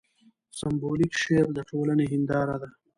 سېمبولیک شعر د ټولنې هینداره ده.